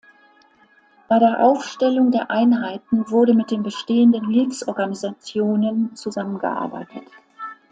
Bei der Aufstellung der Einheiten wurde mit den bestehenden Hilfsorganisationen zusammengearbeitet.